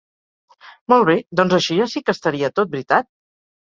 Molt bé, doncs així ja si que estaria tot veritat?